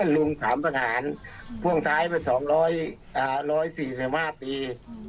ลุงสามสังหารผ่วงท้ายเป็นสองร้อยอ่าร้อยสี่สี่ห้าปี